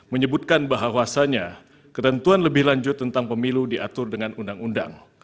menyebutkan bahwasannya ketentuan lebih lanjut tentang pemilu diatur dengan undang undang